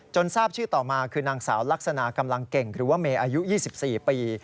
ทราบชื่อต่อมาคือนางสาวลักษณะกำลังเก่งหรือว่าเมย์อายุ๒๔ปี